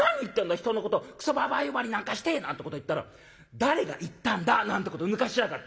人のことクソババア呼ばわりなんかして！』なんてこと言ったら『誰が言ったんだ』なんてことぬかしやがって。